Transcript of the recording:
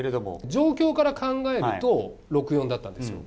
状況から考えると、６ー４だったんですよ。